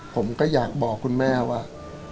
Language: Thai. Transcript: ผมก็อยากบอกคุณแม่ว่า